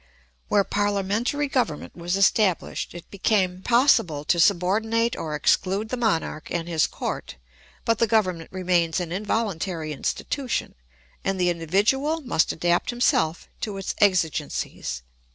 Where parliamentary government was established it became possible to subordinate or exclude the monarch and his court; but the government remains an involuntary institution, and the individual must adapt himself to its exigencies.